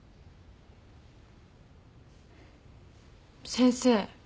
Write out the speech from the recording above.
先生。